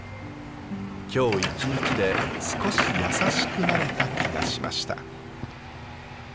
今日一日で少し優しくなれた気がしました。